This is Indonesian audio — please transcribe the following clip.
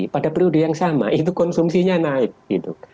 pada periode yang sama itu konsumsinya naik gitu